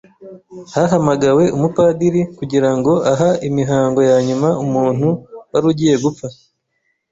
Hahamagawe umupadiri kugira ngo aha imihango yanyuma umuntu wari ugiye gupfa.